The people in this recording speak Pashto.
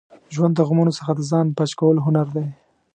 ژوند د غمونو څخه د ځان بچ کولو هنر دی.